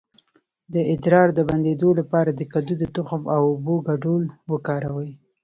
د ادرار د بندیدو لپاره د کدو د تخم او اوبو ګډول وکاروئ